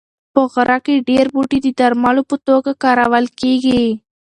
په غره کې ډېر بوټي د درملو په توګه کارول کېږي.